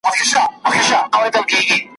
نورڅه نسته بې ما تمه